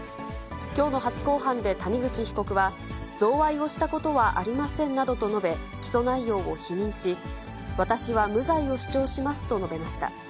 きょうの初公判で谷口被告は、贈賄をしたことはありませんなどと述べ、起訴内容を否認し、私は無罪を主張しますと述べました。